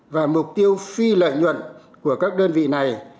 và mục tiêu phi lợi nhuận của các đơn vị này